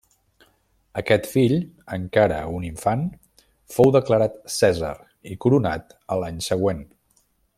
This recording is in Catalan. Aquest fill, encara un infant, fou declarat cèsar i coronat a l'any següent.